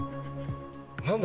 何だ？